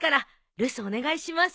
留守お願いします。